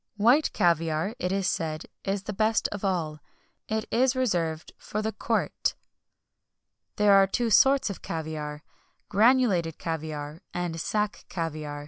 White caviar, it is said, is the best of all. It is reserved for the court.[XXI 41] There are two sorts of caviar: granulated caviar, and sack caviar.